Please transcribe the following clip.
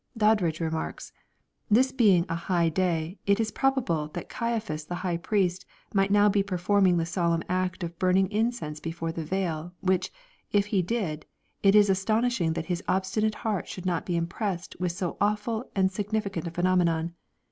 Doddridge remarks, " This being a high day, it is probable that Caiaphas the high priest might now be performing the solemn act of burning incense before the veil, which, if he did, it is astonish ing that his obstinate heart should not be impressed with so awful and significant a phenomenon.